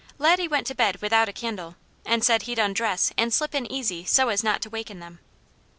Laddie went to bed without a candle, and said he'd undress and slip in easy so as not to waken them.